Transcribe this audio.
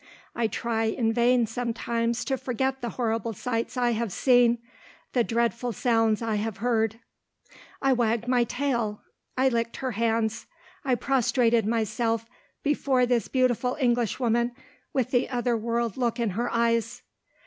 I try in vain sometimes to forget the horrible sights I have seen, the dreadful sounds I have heard. I wagged my tail, I licked her hands, I prostrated myself before this beautiful Englishwoman with the other world look in her eyes.